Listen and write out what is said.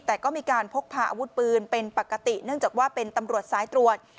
แต่ก็มีการพกพาอาวุธปืนเป็นปกติเนื่องจากว่าเป็นตำรวจสายตรวจ